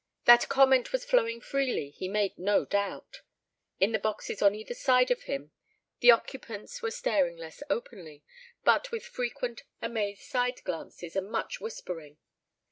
That comment was flowing freely, he made no doubt. In the boxes on either side of him the occupants were staring less openly, but with frequent amazed side glances and much whispering.